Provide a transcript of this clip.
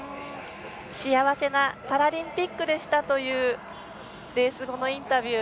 幸せなパラリンピックでしたというレース後のインタビュー。